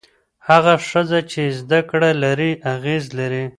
هغه ښځه چې زده کړه لري، اغېز لري.